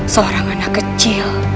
seorang anak kecil